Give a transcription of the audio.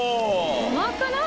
うまくない？